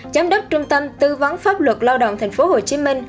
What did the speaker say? giám đốc trung tâm tư vấn pháp luật lao động tp hcm